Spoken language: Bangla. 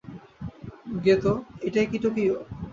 গেতো, এটাই কি টোকিয়ো?